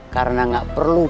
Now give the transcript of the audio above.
karena gak perlu pun